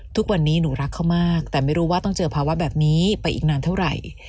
ทุกวันนี้หนูรักเขามากแต่ไม่รู้ว่าต้องเจอภาวะแบบนี้ไปอีกนานเท่าไหร่